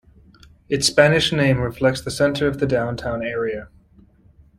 Its Spanish name reflects the center of the downtown area.